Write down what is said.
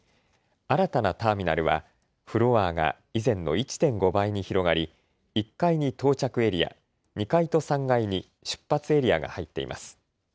新たなターミナルはフロアが以前の１．５倍に広がり１階に到着エリア、２階と３階に出発エリアが入っています。